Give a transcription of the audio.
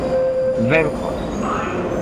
venkos